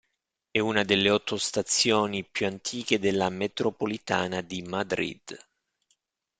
È una delle otto stazioni più antiche della metropolitana di Madrid.